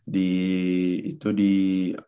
di itu di utah